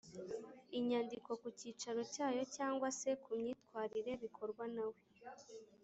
inyandiko ku cyicaro cyayo cyangwa se kumyitwarire bikorwa nawe